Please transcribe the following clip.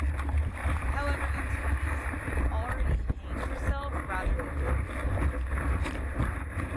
However, Antigonae has already hanged herself rather than be buried alive.